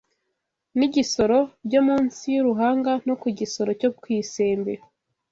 n’igisoro byo mu nsi y’uruhanga no ku gisoro cyo ku isembe